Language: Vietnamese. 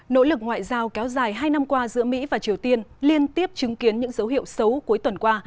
nỗ lực ngoại giao kéo dài hai năm qua giữa mỹ và triều tiên liên tiếp chứng kiến những dấu hiệu xấu cuối tuần qua